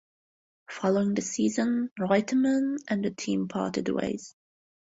Following the season Reutimann and the team parted ways.